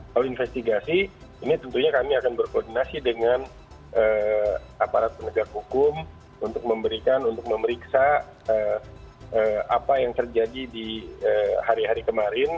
kalau investigasi ini tentunya kami akan berkoordinasi dengan aparat penegak hukum untuk memberikan untuk memeriksa apa yang terjadi di hari hari kemarin